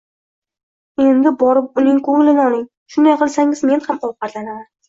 Endi borib uning ko'nglini oling, shunday qilsangiz men ham ovqatlanaman.